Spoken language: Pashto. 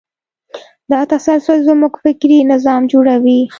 دا تسلسل زموږ فکري نظام جوړوي.